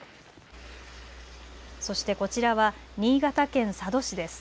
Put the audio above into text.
そしてこちらは新潟県佐渡市です。